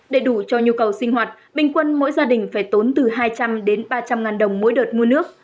để đủ cho nhu cầu sinh hoạt bình quân mỗi gia đình phải tốn từ hai trăm linh đến ba trăm linh ngàn đồng mỗi đợt mua nước